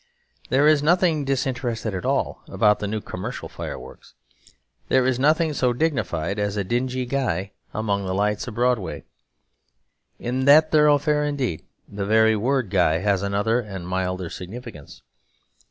There is nothing disinterested at all about the new commercial fireworks. There is nothing so dignified as a dingy guy among the lights of Broadway. In that thoroughfare, indeed, the very word guy has another and milder significance.